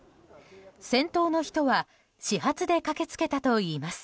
先頭の人は始発で駆け付けたといいます。